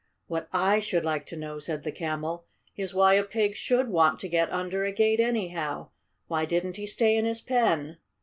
"What I should like to know," said the Camel, "is why a pig should want to get under a gate, anyhow. Why didn't he stay in his pen?"